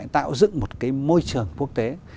tạo dựng một cái môi trường quốc tế